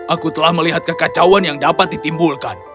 aku telah melihat kekacauan yang dapat ditimbulkan